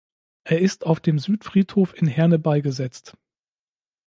Er ist auf dem Südfriedhof in Herne beigesetzt.